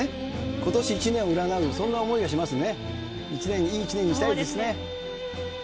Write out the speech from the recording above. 今年一年を占う、そんな思いがしますね。